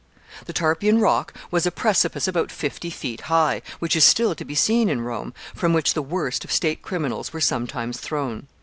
] The Tarpeian Rock was a precipice about fifty feet high, which is still to be seen in Rome, from which the worst of state criminals were sometimes thrown.